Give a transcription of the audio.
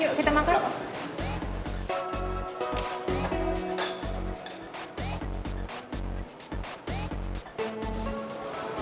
yuk kita makan